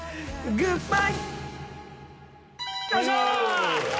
「グッバイ」